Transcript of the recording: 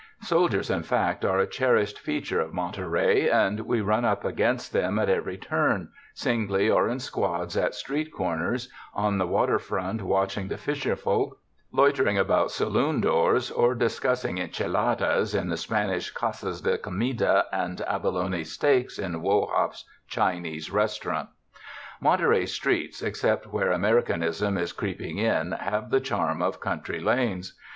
Soldiers, in fact, are a cherished feature of i\Ionterey, and we run up against them at every turn, singly or in squads at street corners, on the water front watching the fisher folk, loiter ing about saloon doors, or discussing enchiladas in the Spanish casas de comida and abalone steaks in Wo Hop's Chinese restaurant. Monterey's streets, except where Americanism is creeping in, have the charm of country lanes.